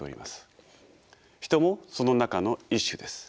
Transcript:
人もその中の１種です。